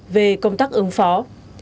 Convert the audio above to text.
về công tác ứng phó